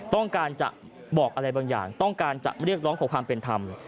ต้องการจะบอกอะไรบางอย่างต้องการจะเรียกร้องขอความเป็นธรรม